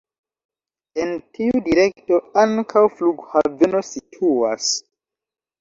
En tiu direkto ankaŭ flughaveno situas.